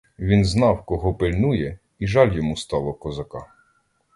Він знав, кого пильнує, і жаль йому стало козака.